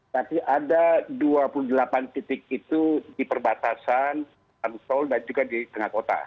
tapi ada dua puluh delapan titik itu di perbatasan tol dan juga di tengah kota